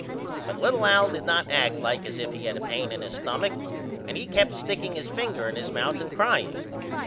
But little Al did not act like as if he had a pane in his stumach and he kept sticking his finger in his mouth and crying.